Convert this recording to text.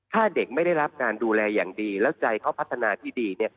ถ้าเด็กไม่ได้รับการดูแลอย่างดีแล้วใจเขาพัฒนาที่ดี